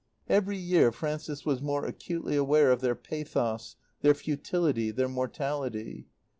Every year Frances was more acutely aware of their pathos, their futility, their mortality.